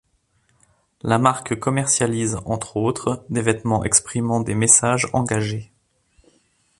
La marque commercialise entre autres des vêtements exprimant des messages engagés.